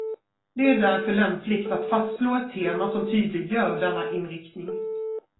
Det är därför lämpligt att fastslå ett tema som tydliggör denna inriktning.